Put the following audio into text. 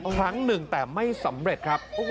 ครั้งหนึ่งแต่ไม่สำเร็จครับ